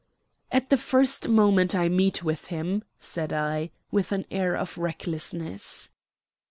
"At the first moment I meet with him," said I, with an air of recklessness.